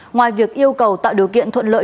ngoài việc yêu cầu tạo điều kiện thuận lợi